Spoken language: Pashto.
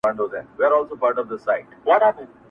ساقي نن مه کوه د خُم د تشیدو خبري!.